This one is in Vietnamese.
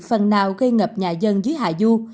phần nào gây ngập nhà dân dưới hạ du